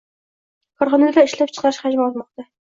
Korxonada ishlab chiqarish hajmi ortmoqda